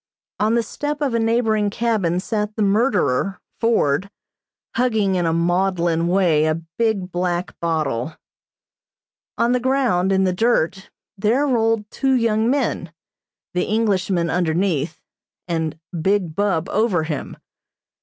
On the step of a neighboring cabin sat the murderer, Ford, hugging in a maudlin way a big black bottle. On the ground, in the dirt, there rolled two young men, the Englishman underneath, and Big Bub over him.